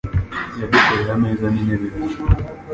Yadukoreye ameza n'intebe ebyiri.